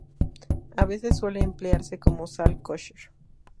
A veces suele emplearse como sal kosher.